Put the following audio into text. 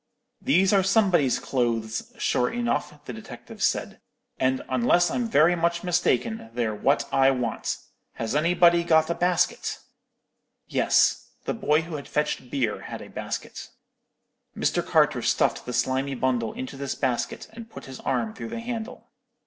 "'These are somebody's clothes, sure enough,' the detective said; 'and, unless I'm very much mistaken, they're what I want. Has anybody got a basket?' "Yes. The boy who had fetched beer had a basket. Mr. Carter stuffed the slimy bundle into this basket, and put his arm through the handle.